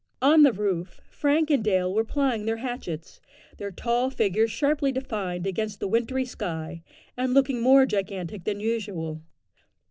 On the roof, Frank and Dale were plying their hatchets, their tall figures sharply defined against the wintry sky, and looking more gigantic than usual.